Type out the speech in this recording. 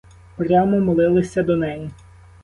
Прямо молися до неї.